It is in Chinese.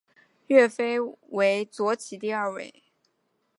岳飞为左起第二位。